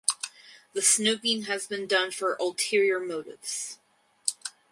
The snooping has been done for ulterior motives.